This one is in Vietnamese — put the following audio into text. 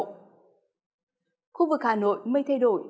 khu vực hà nội mây thay đổi